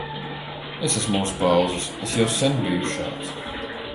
Es esmu uz pauzes. Es jau sen biju šāds.